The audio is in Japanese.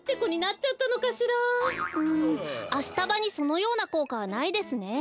うんアシタバにそのようなこうかはないですね。